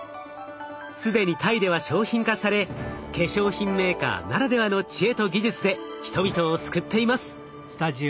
既にタイでは商品化され化粧品メーカーならではの知恵と技術で人々を救っています。